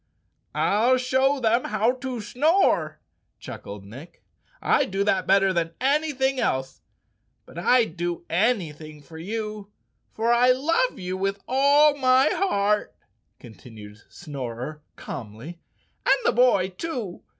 "I'll show them how to snore," chuckled Nick. "I do that better than anything else. But I'd do anything for you, for I love you with all my heart," continued 174 Chapter Thirteen Snorer calmly, "and the boy, too.